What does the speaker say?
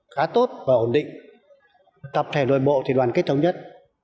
khá tốt và ổn định tập thể nội bộ thì đoàn kết thống nhất